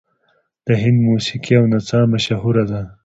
د هند موسیقي او نڅا مشهوره ده.